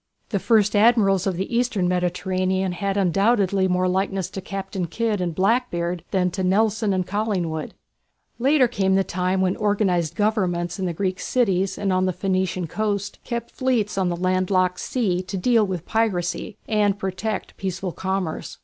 The first Admirals of the Eastern Mediterranean had undoubtedly more likeness to Captain Kidd and "Blackbeard" than to Nelson and Collingwood. Later came the time when organized Governments in the Greek cities and on the Phoenician coast kept fleets on the land locked sea to deal with piracy and protect peaceful commerce.